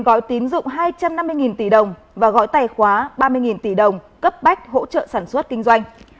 gói tín dụng hai trăm năm mươi tỷ đồng và gói tài khoá ba mươi tỷ đồng cấp bách hỗ trợ sản xuất kinh doanh